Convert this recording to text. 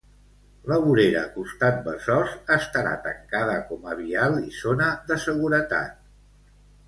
La vorera costat Besòs estarà tancada com a vial i zona de seguretat.